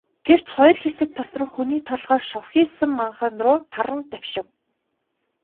Гэвч хоёр хэсэг тасран, хүний толгой шовсхийсэн манхан руу таран давшив.